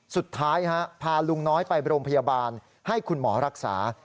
สุดท้ายพาลุงน้อยไปโรงพยาบาลให้คุณหมอรักษา